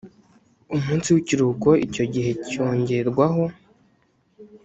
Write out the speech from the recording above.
umunsi w ikiruhuko icyo gihe cyongerwaho